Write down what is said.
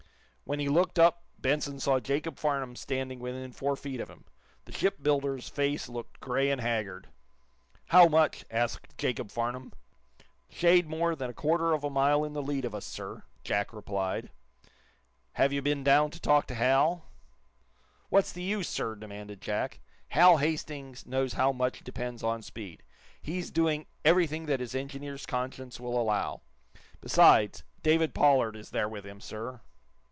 When he looked up Benson saw Jacob Farnum standing within four feet of him. The shipbuilder's face looked gray and haggard. "How much?" asked Jacob Farnum. "Shade more than a quarter of a mile in the lead of us, sir," Jack replied. "Have you been down to talk to Hal?" "What's the use, sir?" demanded Jack. "Hal Hastings knows how much depends on speed. He's doing everything that his engineer's conscience will allow. Besides, David Pollard is there with him, sir."